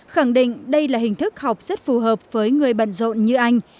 khẳng định đây là hình thức học rất phù hợp với người bận rộn như anh